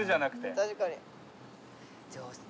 確かに。